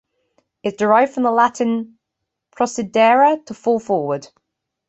It is derived from the Latin "procidere" - "to fall forward".